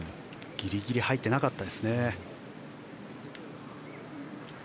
ギリギリ入ってなかったですね。